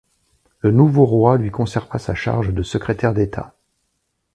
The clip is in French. Le nouveau roi lui conserva sa charge de secrétaire d'État.